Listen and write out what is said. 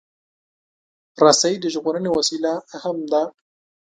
رسۍ د ژغورنې وسیله هم ده.